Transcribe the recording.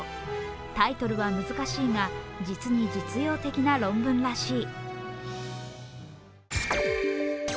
タイトルは難しいが、実に実用的な論文らしい。